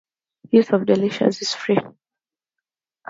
Use of Delicious is free.